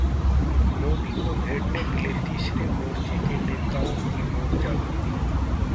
मोदी को घेरने के लिए तीसरे मोर्चे के नेताओं की मोर्चाबंदी